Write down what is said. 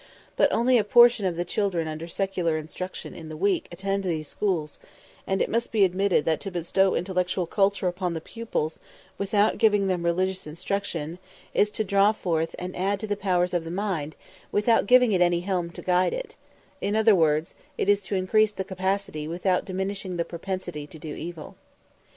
But only a portion of the children under secular instruction in the week attend these schools; and it must be admitted that to bestow intellectual culture upon the pupils, without giving them religious instruction, is to draw forth and add to the powers of the mind, without giving it any helm to guide it; in other words, it is to increase the capacity, without diminishing the propensity, to do evil.